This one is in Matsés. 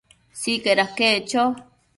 Sicaid aquec cho